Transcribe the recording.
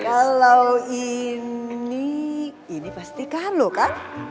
kalau ini ini pasti carlo kan